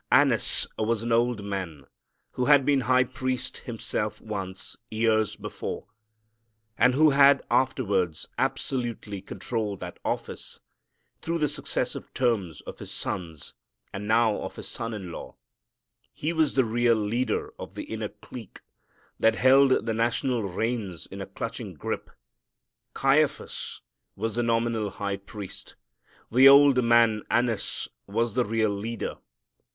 Annas was an old man who had been high priest himself once, years before, and who had afterwards absolutely controlled that office through the successive terms of his sons and now of his son in law. He was the real leader of the inner clique that held the national reins in a clutching grip. Caiaphas was the nominal high priest. The old man Annas was the real leader.